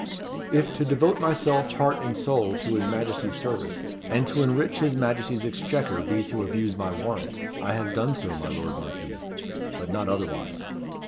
"If to devote myself, heart and soul, to his Majesty's service, and to enrich his Majesty's exchequer be to abuse my warrant, I have done so, my lord Marquis, but not otherwise.